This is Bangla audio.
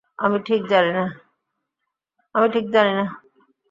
আমি ঠিক জানি না।